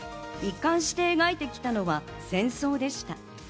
一貫して描いてきたのは戦争でした。